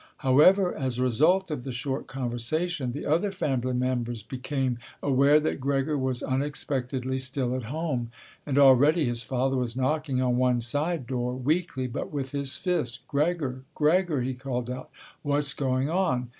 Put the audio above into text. However, as a result of the short conversation, the other family members became aware that Gregor was unexpectedly still at home, and already his father was knocking on one side door, weakly but with his fist. "Gregor, Gregor," he called out, "what's going on?"